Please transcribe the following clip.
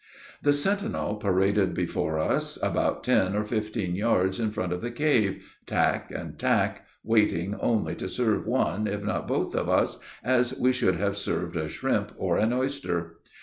The sentinel paraded before us, about ten or fifteen yards in front of the cave, tack and tack, waiting only to serve one, if not both of us, as we should have served a shrimp or an oyster.